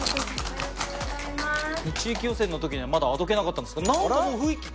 地域予選の時にはまだあどけなかったんですけど何かもう雰囲気。